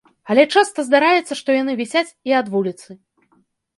Але часта здараецца, што яны вісяць і ад вуліцы.